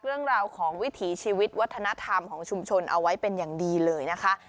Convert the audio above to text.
เรื่องราวของวิถีชีวิตวัฒนธรรมของชุมชนเอาไว้เป็นอย่างดีเลยนะคะ